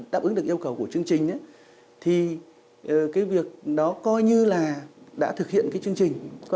đáp ứng được yêu cầu của chương trình thì cái việc đó coi như là đã thực hiện cái chương trình